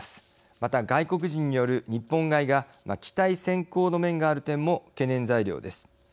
また外国人による日本買いが期待先行の面がある点も懸念材料です。